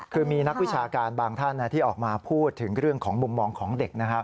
คือมีนักวิชาการบางท่านที่ออกมาพูดถึงเรื่องของมุมมองของเด็กนะครับ